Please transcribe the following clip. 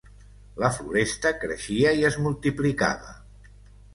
La floresta creixia i es multiplicava